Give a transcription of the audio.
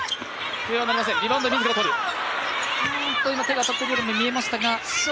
手が当たってるようにも見えましたが。